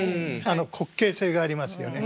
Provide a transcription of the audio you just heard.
滑稽性がありますよね。